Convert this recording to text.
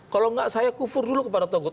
kalau tidak saya kufur dulu kepada ta'wud